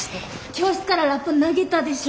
教室からラッパ投げたでしょ。